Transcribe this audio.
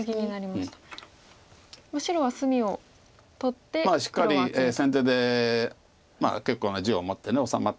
しっかり先手で結構な地を持って治まった。